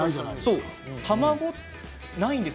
卵がないんです。